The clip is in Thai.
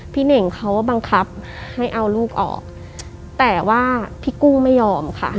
เน่งเขาบังคับให้เอาลูกออกแต่ว่าพี่กู้ไม่ยอมค่ะ